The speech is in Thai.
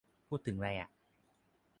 พูดถึงไรอะ